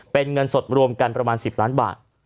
เป็นเงินสดรวมกันประมาณ๑๐ล้านบาท